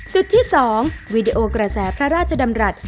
จุดที่๒วีดีโอกระแสพระราชดำรัฐ